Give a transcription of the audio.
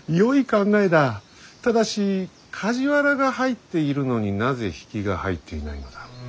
ただし梶原が入っているのになぜ比企が入っていないのだ。